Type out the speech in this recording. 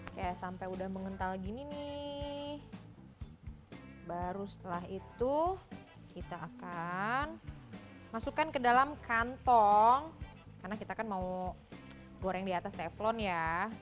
oke sampai udah mengental gini nih baru setelah itu kita akan masukkan ke dalam kantong karena kita kan mau goreng di atas teflon ya